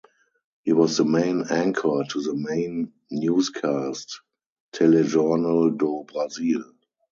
He was the main anchor to the main newscast, "Telejornal do Brasil".